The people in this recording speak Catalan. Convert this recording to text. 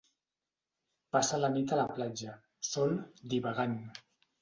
Passa la nit a la platja, sol, divagant.